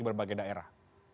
di berbagai daerah